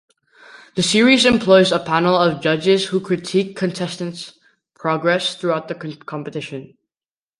The series employs a panel of judges who critique contestants' progress throughout the competition.